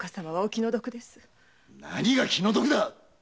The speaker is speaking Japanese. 何が気の毒だ！